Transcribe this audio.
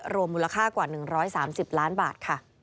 รวมมูลค่ากว่า๑๓๐ล้านบาทค่ะ